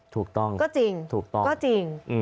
ถูกต้องก็จริงถูกต้องก็จริง